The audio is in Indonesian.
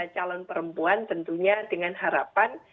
calon perempuan tentunya dengan harapan